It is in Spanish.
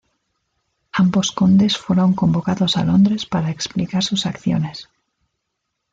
Ambos condes fueron convocados a Londres para explicar sus acciones.